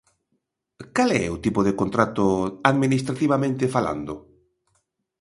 ¿Cal é o tipo de contrato, administrativamente falando?